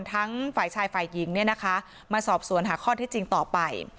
ทั้งฝ่ายชายฝ่ายหญิงเนี่ยนะคะมาสอบสวนหาข้อที่จริงต่อไป